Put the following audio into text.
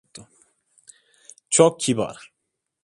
Çok kibar.